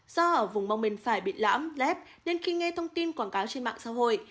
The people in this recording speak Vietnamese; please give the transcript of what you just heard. do ở vùng mông mình phải bị lãm lép nên khi nghe thông tin quảng cáo trên mạng xã hội